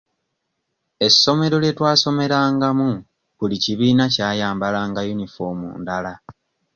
Essomero lye twasomerangamu buli kibiina kyayambalanga yuniform ndala.